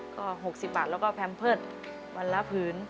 ก็๖๐บาทแล้วก็แพมเพิร์ตวันละผืน